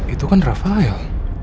itu kan rafael